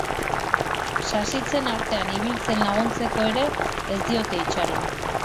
Sasitzen artean ibiltzen laguntzeko ere ez diote itxaron.